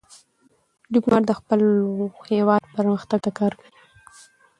ډيپلومات د خپل هېواد پرمختګ ته کار کوي.